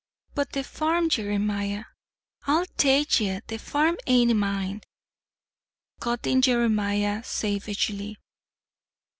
"But the farm, Jeremiah " "I tell ye the farm ain't mine," cut in Jeremiah savagely.